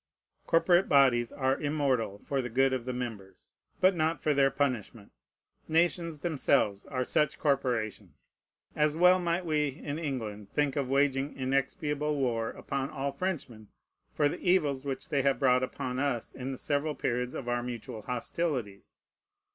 Corporate bodies are immortal for the good of the members, but not for their punishment. Nations themselves are such corporations. As well might we in England think of waging inexpiable war upon all Frenchmen for the evils which they have brought upon us in the several periods of our mutual hostilities.